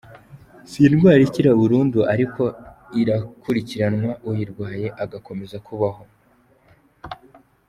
Si indwara ikira burundu ariko irakurikiranwa uyirwaye agakomeza kubaho .